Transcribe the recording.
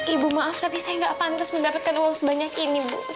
ibu maaf tapi saya nggak pantas mendapatkan uang sebanyak ini bu